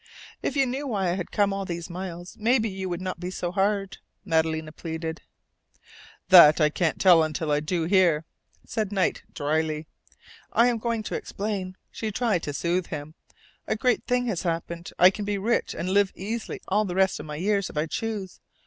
"If you knew why I have come all these miles, maybe you would not be so hard," Madalena pleaded. "That I can't tell until I do hear," said Knight, dryly. "I am going to explain," she tried to soothe him. "A great thing has happened. I can be rich and live easily all the rest of my years if I choose.